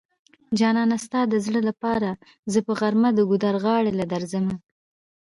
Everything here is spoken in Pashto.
جانانه ستا د زړه لپاره زه په غرمه د ګودر غاړی له درځمه